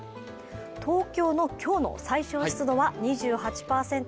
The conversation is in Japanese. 東京の今日の最小湿度は２８％。